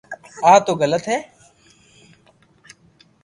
آ تو غلط ھي